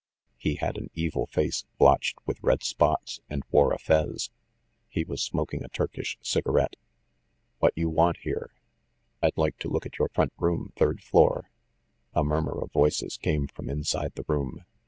He had an evil face, blotched with red spots, and wore a fez. He was smok ing a Turkish cigarette. "What you want here?" NUMBER THIRTEEN 177 "I'd like to look at your front room, third floor." A murmur of voices came from inside the room.